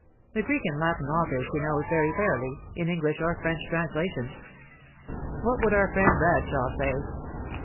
The Greek and Latin authors she knows very fairly, in English or French translations. What would our friend Bradshaw say?